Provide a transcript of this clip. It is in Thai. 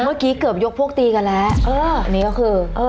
เมื่อกี้เกือบยกพวกตีกันแล้วเออนี่ก็คือเออ